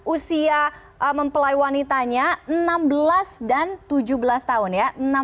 usia mempelai wanitanya enam belas dan tujuh belas tahun ya